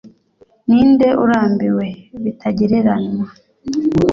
Ninde urambiwe bitagereranywa